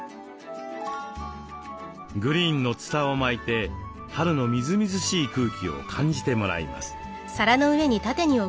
グリーンのツタを巻いて春のみずみずしい空気を感じてもらいます。